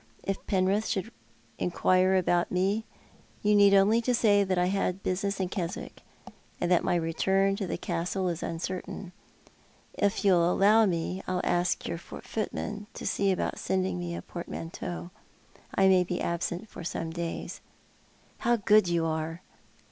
If Penrith should inquire about me you need only say that I had business at Keswick, aud that my return to the Castle is uncertain. If you'll allow me, I'll ask your footman to sec about sendiug me a portmanteau. I may be absent for some days." " How good you are